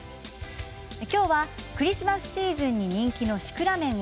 今日はクリスマスシーズンに人気のシクラメンを。